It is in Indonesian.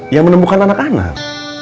yang menemukan anak anak